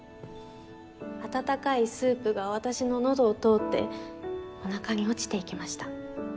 温かいスープが私の喉を通ってお腹に落ちて行きました。